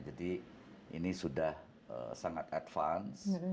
jadi ini sudah sangat advance